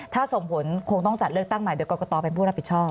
ถ้าส่งผลคงต้องจัดเลือกตั้งใหม่เดี๋ยวกรกตเป็นผู้รับผิดชอบ